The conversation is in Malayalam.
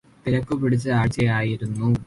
തിരക്കു പിടിച്ച ആഴ്ചയായിരുന്നു